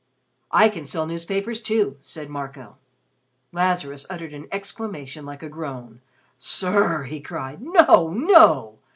"I can sell newspapers, too," said Marco. Lazarus uttered an exclamation like a groan. "Sir," he cried, "no, no!